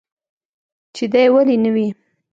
چې دى ولي نه وي.